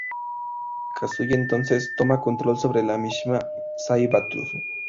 Kazuya entonces toma control sobre la Mishima Zaibatsu.